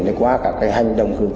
thì qua các hành động